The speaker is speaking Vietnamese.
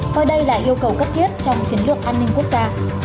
coi đây là yêu cầu cấp thiết trong chiến lược an ninh quốc gia